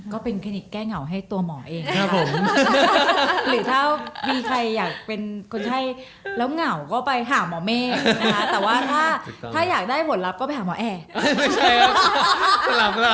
ก็เป็นคลินิกแก้เหงาให้ตัวหมอเองครับผมหรือถ้ามีใครอยากเป็นคนไข้แล้วเหงาก็ไปหาหมอเมฆนะคะแต่ว่าถ้าอยากได้ผลลัพธก็ไปหาหมอแอก